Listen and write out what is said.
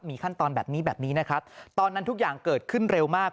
มีขั้นตอนแบบนี้แบบนี้นะครับตอนนั้นทุกอย่างเกิดขึ้นเร็วมาก